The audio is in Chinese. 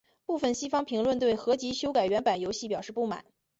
部分西方评论对合辑修改原版游戏表示不满。